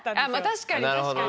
確かに確かに。